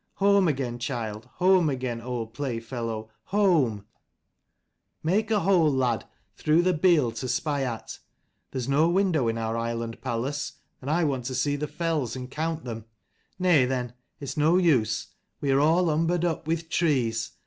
Home again, child: home again, old playfellow : home ! Make a hole, lad, through the bield to spy at. There's no window in our island palace : and I want to see the fells, and count them. Nay then; it's no use: we are all umbered up with trees.